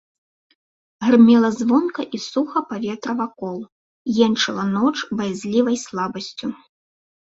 Грымела звонка і суха паветра вакол, енчыла ноч баязлівай слабасцю.